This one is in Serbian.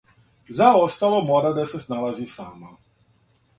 За остало мора да се сналази сама.